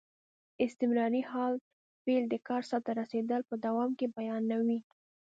استمراري حال فعل د کار سرته رسېدل په دوام کې بیانیوي.